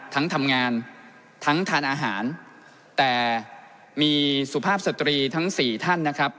ทั้งทำงานทั้งทานอาหารแต่มีสุภาพสตรีทั้งสี่ท่านนะครับ